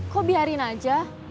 kok biarin aja